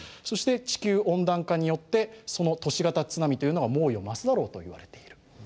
そして地球温暖化によってその都市型津波というのは猛威を増すだろうといわれている。